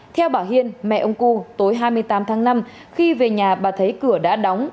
theo bà hiên mẹ ông cư tối hai mươi tám tháng năm khi về nhà bà thấy cửa đã đóng